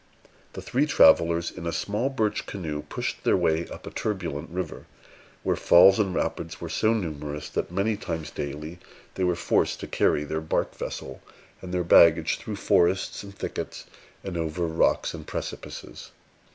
The three travellers, in a small birch canoe, pushed their way up a turbulent river, where falls and rapids were so numerous, that many times daily they were forced to carry their bark vessel and their baggage through forests and thickets and over rocks and precipices.